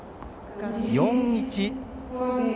４−１。